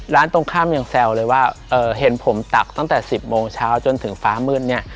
ตรงข้ามยังแซวเลยว่าเห็นผมตักตั้งแต่๑๐โมงเช้าจนถึงฟ้ามืดเนี่ย